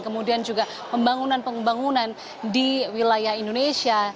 kemudian juga pembangunan pembangunan di wilayah indonesia